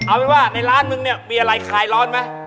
เอาเป็นว่าในร้านมึงเนี่ยมีอะไรคลายร้อนไหม